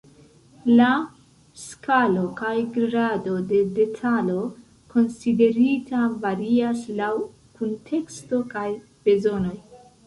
La skalo kaj grado de detalo konsiderita varias laŭ kunteksto kaj bezonoj.